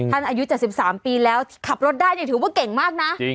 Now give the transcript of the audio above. อายุ๗๓ปีแล้วขับรถได้เนี่ยถือว่าเก่งมากนะ